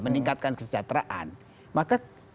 meningkatkan kesejahteraan maka